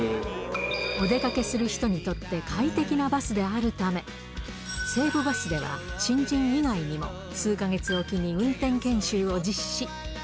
お出かけする人にとって快適なバスであるため、西武バスでは、新人以外にも数か月置きに運転研修を実施。